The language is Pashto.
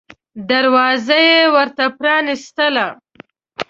دروازه یې ورته پرانیستله.